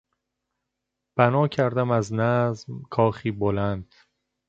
بنا کردم از نظم کاخی بلند...